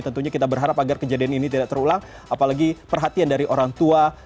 tentunya kita berharap agar kejadian ini tidak terulang apalagi perhatian dari orang tua